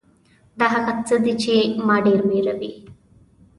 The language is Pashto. دا هغه څه دي چې ما ډېر وېروي .